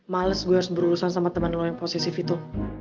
males gue harus berurusan sama temen lo yang positif itu